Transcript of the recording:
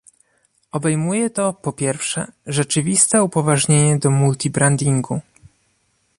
Obejmuje to, po pierwsze, rzeczywiste upoważnienie do multibrandingu